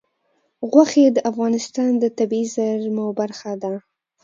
غوښې د افغانستان د طبیعي زیرمو برخه ده.